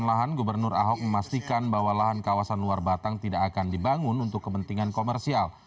lahan gubernur ahok memastikan bahwa lahan kawasan luar batang tidak akan dibangun untuk kepentingan komersial